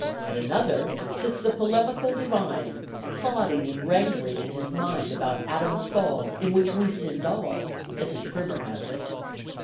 At another, sits the polemical divine, plodding and wrangling in his mind about 'Adam's fall, in which we sinned all,' as his Primer has it.